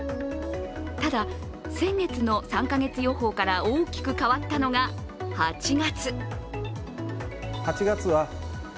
ただ、先月の３か月予報から大きく変わったのが８月。